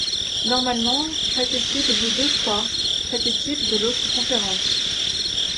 Normalement, chaque équipe joue deux fois chaque équipe de l'autre conférence.